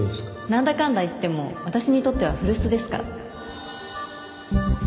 なんだかんだ言っても私にとっては古巣ですから。